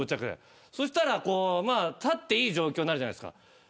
そしたら立っていい状況になるじゃないですか。